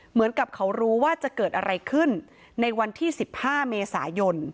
เหมือนกับเขารู้ว่าจะเกิดอะไรขึ้นในวันที่๑๕เมษายน